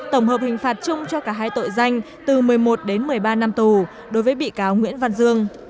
tổng hợp hình phạt chung cho cả hai tội danh từ một mươi một đến một mươi ba năm tù đối với bị cáo nguyễn văn dương